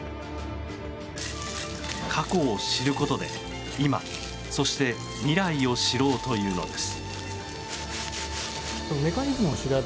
過去を知ることで、今そして未来を知ろうというのです。